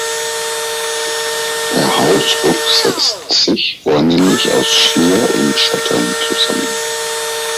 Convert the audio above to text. Der Hausruck setzt sich vornehmlich aus Schlier und Schottern zusammen.